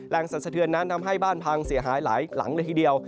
สันสะเทือนนั้นทำให้บ้านพังเสียหายหลายหลังเลยทีเดียว